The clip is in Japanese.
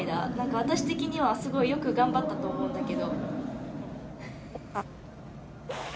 私的にはすごいよく頑張ったと思うんだけど。